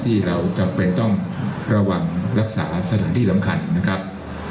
ที่เราจำเป็นต้องระวังรักษาสถานที่สำคัญนะครับ